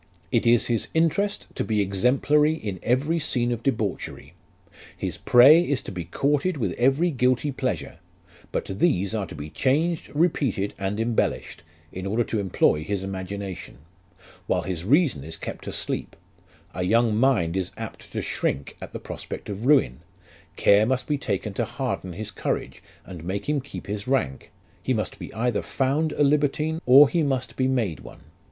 It is his interest to be exemplary in every scene of debauchery ; his prey is to be courted with every guilty pleasure ; but these are to be changed, repeated, and embellished, in order to employ his imagination, while his reason is kept asleep ; a young mind is apt to shrink at the prospect of ruin ; care must be taken to harden his courage, and make him keep his rank ; he must be either found a libertine, or he must be made one.